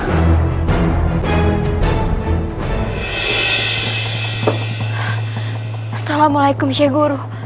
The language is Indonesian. assalamualaikum syekh guru